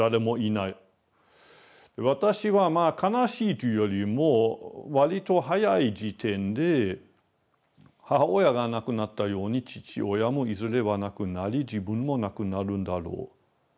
私はまあ悲しいというよりもわりと早い時点で母親が亡くなったように父親もいずれは亡くなり自分も亡くなるんだろう。